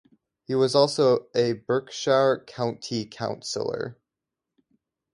He was also a Berkshire County Councillor.